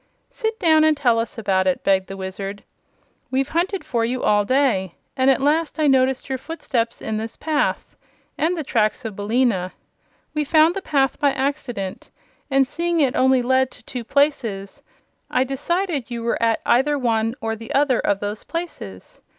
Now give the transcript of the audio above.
"Sit down and tell us about it," begged the Wizard. "We've hunted for you all day, and at last I noticed your footsteps in this path and the tracks of Billina. We found the path by accident, and seeing it only led to two places I decided you were at either one or the other of those places.